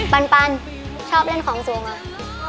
ปันชอบเล่นของสูงเลย